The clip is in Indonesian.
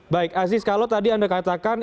baik aziz kalau tadi anda katakan